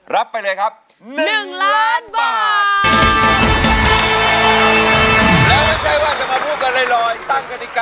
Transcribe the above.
รับไปเลยครับ๑ล้านบาท